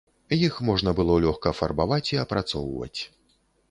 Іх можна было лёгка фарбаваць і апрацоўваць.